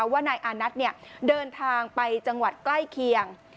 ว่านายอานัทเดินทางไปจังหวัดใกล้เคียง